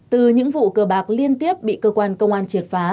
từ những vụ cờ bạc liên tiếp bị cơ quan công an triệt phá